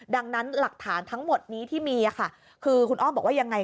ดังนั้นหลักฐานทั้งหมดนี้ที่มีค่ะคือคุณอ้อมบอกว่ายังไง